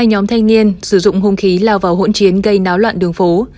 hai nhóm thanh niên sử dụng hung khí lao vào hỗn chiến gây náo loạn đường phố